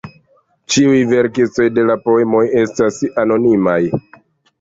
Ĉiuj verkistoj de la poemoj estas anonimaj.